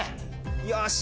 よし！